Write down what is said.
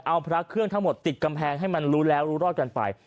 เอาพระเครื่องทั้งหมดติดกำแพงให้มันรู้แล้วรู้รอดกันไป